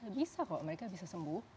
bisa kok mereka bisa sembuh